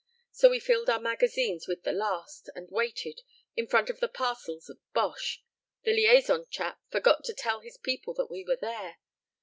So we filled our magazines with the last, and waited, in front of the parcels of Boche. The liaison chap forgot to tell his people that we were there.